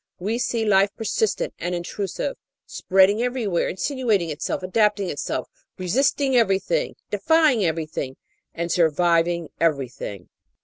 We see life persistent and intrusive spreading every where, insinuating itself, adapting itself, resisting everything, defying everything, surviving everything!